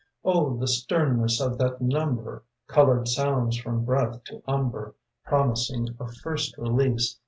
the sternness of that number! Colored sounds from breath to umber Promising a first release.